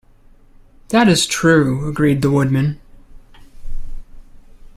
"That is true," agreed the Woodman.